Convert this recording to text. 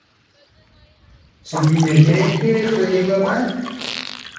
Su primer gerente fue Diego Amat.